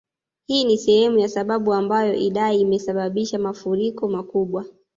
Hii ni sehemu ya sababu ambayo Idai imesababisha mafuriko makubwa